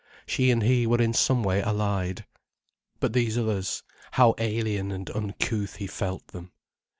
She and he were in some way allied. But these others, how alien and uncouth he felt them.